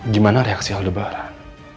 gimana reaksi aldebaran